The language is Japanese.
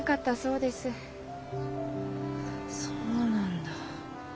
そうなんだ。